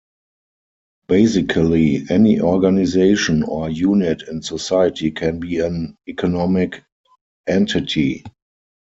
Basically, any organization or unit in society can be an economic entity.